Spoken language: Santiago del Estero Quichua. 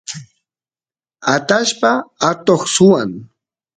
atallpasta atoq swan